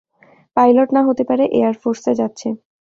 Pilot না হতে পেরে এয়ারফোর্স এ যাচ্ছে।